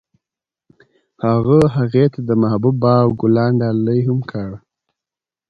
هغه هغې ته د محبوب باغ ګلان ډالۍ هم کړل.